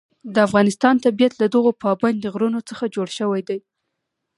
د افغانستان طبیعت له دغو پابندي غرونو څخه جوړ شوی دی.